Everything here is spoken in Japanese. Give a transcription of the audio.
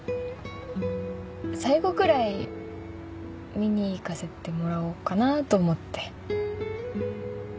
最後くらい見に行かせてもらおうかなと思って。